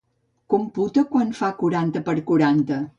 Computa quant fa quaranta per quaranta.